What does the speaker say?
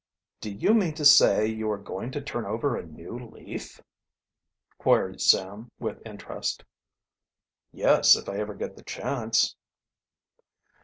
"Do you mean to say you are going to turn over a new leaf?" queried Sam with interest. "Yes, if I ever get the chance."